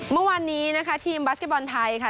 เมื่อวานนี้นะคะทีมบาสเก็ตบอลไทยค่ะ